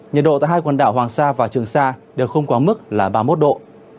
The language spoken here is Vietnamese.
nhiệt độ tại hai quần đảo hoàng sa và trường sa đều không quá mức là ba mươi một độ